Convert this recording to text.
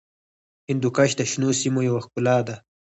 هندوکش د شنو سیمو یوه ښکلا ده.